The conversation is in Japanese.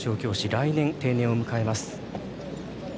来年、定年を迎えます。